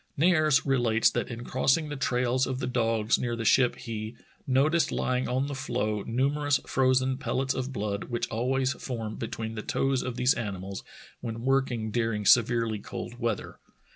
Nares relates that in crossing the trails of the dogs near the ship he "noticed, lying on the floe, numer ous frozen pellets of blood which always form between the toes of these animals when working during severely cold weather.